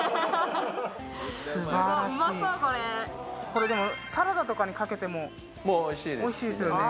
これサラダとかにかけてもおいしいですよね。